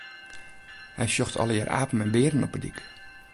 Hy sjocht allegear apen en bearen op 'e dyk.